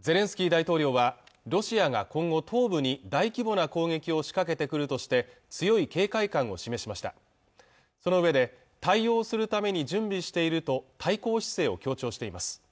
ゼレンスキー大統領はロシアが今後東部に大規模な攻撃を仕掛けてくるとして強い警戒感を示しましたそのうえで対応するために準備していると対抗姿勢を強調しています